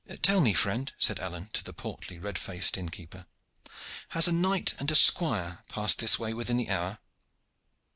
"Tell me, friend," said Alleyne to the portly red faced inn keeper, "has a knight and a squire passed this way within the hour?"